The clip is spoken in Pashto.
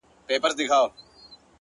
هله سي ختم; په اشاره انتظار;